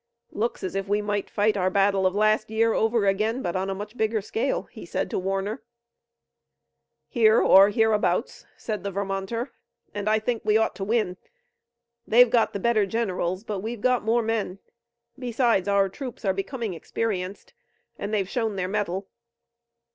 "Looks as if we might fight our battle of last year over again, but on a much bigger scale," he said to Warner. "Here or hereabouts," said the Vermonter, "and I think we ought to win. They've got the better generals, but we've got more men. Besides, our troops are becoming experienced and they've shown their mettle.